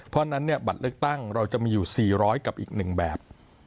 เพราะฉะนั้นเนี่ยบัตรเลือกตั้งเราจะมีอยู่๔๐๐กับอีก๑แบบ